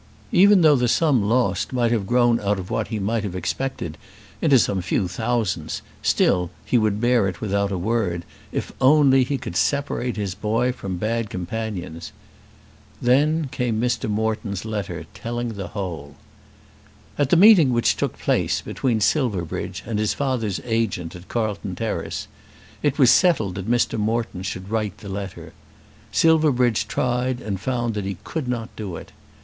Even though the sum lost might have grown out of what he might have expected into some few thousands, still he would bear it without a word, if only he could separate his boy from bad companions. Then came Mr. Moreton's letter telling the whole. At the meeting which took place between Silverbridge and his father's agent at Carlton Terrace it was settled that Mr. Moreton should write the letter. Silverbridge tried and found that he could not do it.